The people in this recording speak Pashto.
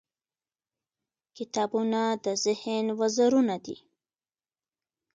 • کتابونه د ذهن وزرونه دي.